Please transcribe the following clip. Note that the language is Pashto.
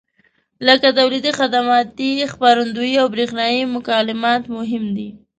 لکه تولیدي، خدماتي، خپرندویي او برېښنایي مکالمات مهم دي.